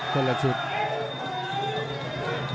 คนละชุด๊า